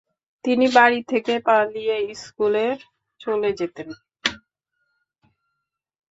তিনি বাড়ী থেকে পালিয়ে স্কুলে চলে যেতেন।